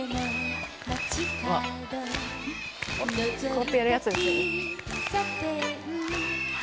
こうやってやるやつですよね？